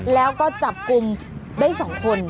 แล้วก็จับกลุ่มได้๒คน